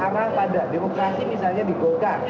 tapi mengarah pada demokrasi misalnya di goka